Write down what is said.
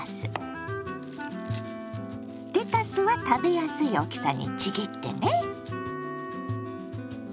レタスは食べやすい大きさにちぎってね。